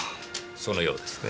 そのようですね。